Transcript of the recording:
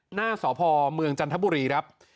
หน้าสพเมืองจันทบุรีครับ